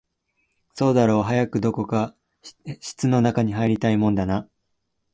そうだろう、早くどこか室の中に入りたいもんだな